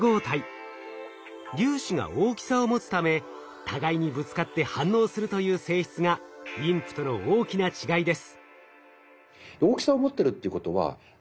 粒子が大きさを持つため互いにぶつかって反応するという性質がＷＩＭＰとの大きな違いです。